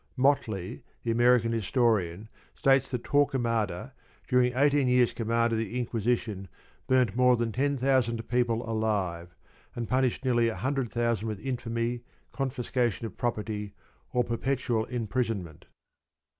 Motley, the American historian, states that Torquemada, during eighteen years' command of the Inquisition, burnt more than ten thousand people alive, and punished nearly a hundred thousand with infamy, confiscation of property, or perpetual imprisonment.